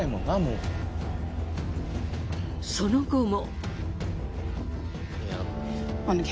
その後も。